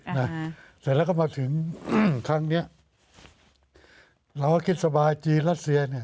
นะเสร็จแล้วก็มาถึงอืมครั้งเนี้ยเราก็คิดสบายจีนรัสเซียเนี่ย